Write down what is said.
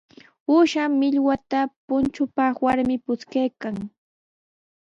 Uusha millwata punchupaq warmi puchkaykan.